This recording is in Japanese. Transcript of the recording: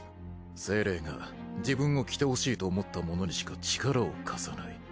精霊が自分を着てほしいと思った者にしか力を貸さない。